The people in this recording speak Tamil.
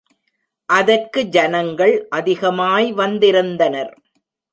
அதற்கு ஜனங்கள் அதிகமாய் வந்திருந்தனர்.